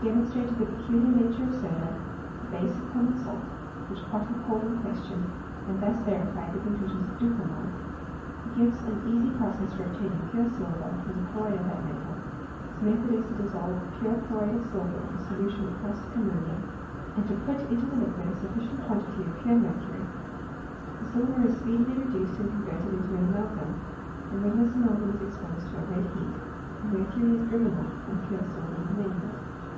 He de monstrated the peculiar nature of soda, the base of common salt, which Pott had called in question, and thus verified the conclusions of Duhamel. He gives an easy process for obtaining pure silver from the chloride of that metal : his method is to dissolve the pure chloride of silver in a solution of caustic ammonia, and to put into the liquid a sufficient quantity of pure mercury; the silver is speedily reduced and converted into an amalgam, and when this amalgam is exposed to a red heat the mercury is driven off and pure silver remains.